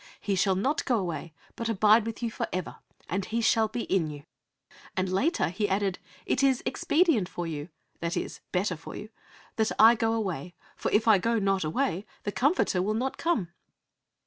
He shall not go away, but abide with you for ever, and He "shall be in you." And later He added: "It is expedient for you" that is, better for you "that I go away; for if I go not away, the Comforter will not come."